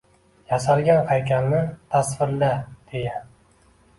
Yasalgan haykalni tasvirla, deya.